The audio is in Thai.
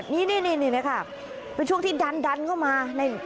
นี่ค่ะเป็นช่วงที่ดันเข้ามา